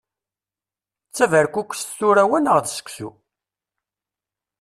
D taberkukest tura wa neɣ d seksu?